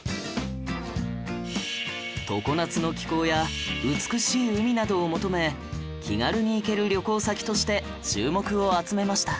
常夏の気候や美しい海などを求め気軽に行ける旅行先として注目を集めました